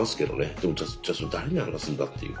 でもじゃあそれ誰に話すんだっていう。